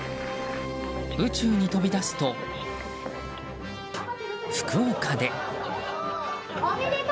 宇宙に飛び出すと、福岡で。